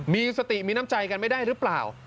มีสติมีน้ำใจกันไม่ได้หรือเปล่า